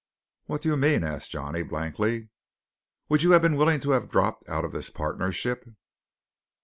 "What do you mean?" asked Johnny blankly. "Would you have been willing to have dropped out of this partnership?"